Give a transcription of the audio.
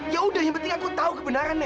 ya udah yang penting aku tahu kebenaran nek